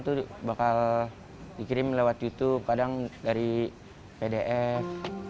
itu bakal dikirim lewat youtube kadang dari pdf